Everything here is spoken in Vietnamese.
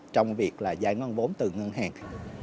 trong việc giải ngân vốn từ ngân hàng